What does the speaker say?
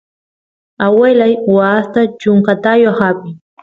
aguelay waasta chunka taayoq apin